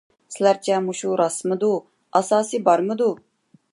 سىلەرچە مۇشۇ راستمىدۇ؟ ئاساسى بارمىدۇ؟